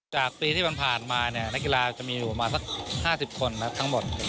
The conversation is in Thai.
จากปีที่ผ่านมานักกีฬาจะมีอยู่ประมาณสัก๕๐คนทั้งหมด